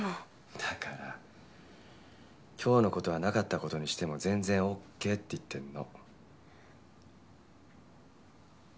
だから今日の事はなかったことにしても全然ＯＫって言ってんの。